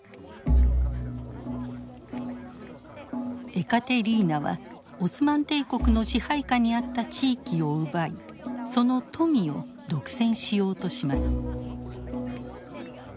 エカテリーナはオスマン帝国の支配下にあった地域を奪いその富を独占しようとします。